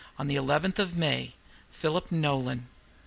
on the 11th of May, PHILIP NOLAN."